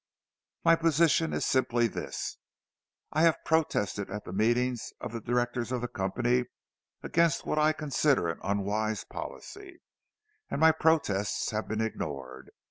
My position is simply this: I have protested at the meetings of the directors of the company against what I consider an unwise policy—and my protests have been ignored.